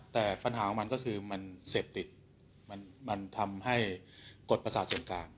แต่ปัญหาของมันก็คือมันเสพติดมันทำให้กฎประสาทส่วนกลาง